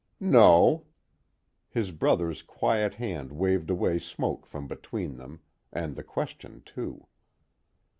"No." His brother's quiet hand waved away smoke from between them, and the question too.